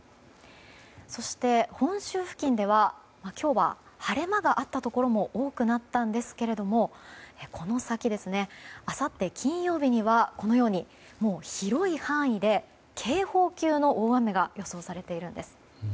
そして、本州付近では今日は晴れ間があったところも多くなったんですが、この先あさって金曜日には広い範囲で警報級の大雨が予想されているんです。